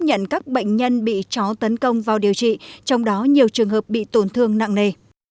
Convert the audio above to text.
nhận các bệnh nhân bị chó tấn công vào điều trị trong đó nhiều trường hợp bị tổn thương nặng nề